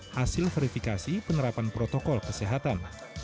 hasil verifikasi penerapan protokol kesehatan